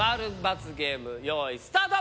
○×ゲームよいスタート！